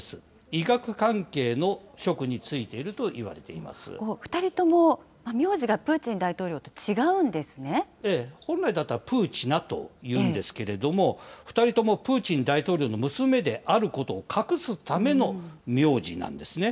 医学関係の職に就いているといわ２人とも名字がプーチン大統本来だったらプーチナというんですけれども、２人ともプーチン大統領の娘であることを隠すための名字なんですね。